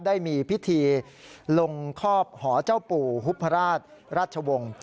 ได้มีพิธีลงคอบหอเจ้าปู่ฮุพราชราชวงศ์